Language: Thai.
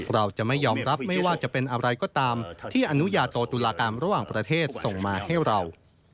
เราจะไม่ยอมรับไม่ว่าจะเป็นอะไรก็ตามที่อนุญาโตตุลากรรมระหว่างประเทศส่งมาให้เรา